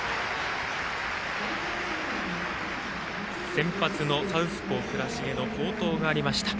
先発のサウスポー、倉重の好投がありました。